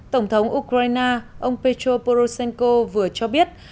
tổng thống ukraine ông petro poroshenko vừa cho biết